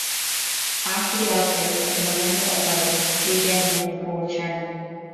After the outbreak of the November Uprising he again joined the Polish Army.